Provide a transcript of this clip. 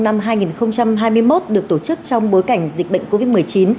năm hai nghìn hai mươi một được tổ chức trong bối cảnh dịch bệnh covid một mươi chín